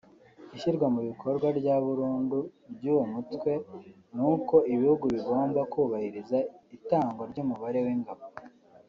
Ishyirwa mu bikorwa rya burundu ry’uwo mutwe ni uko ibihugu bigomba kubahiriza itangwa ry’umubare w’ingabo